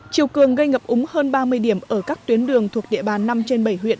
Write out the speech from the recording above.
chiều cường gây ngập úng hơn ba mươi điểm ở các tuyến đường thuộc địa bàn năm trên bảy huyện